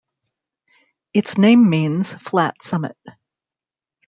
Its name means "flat summit".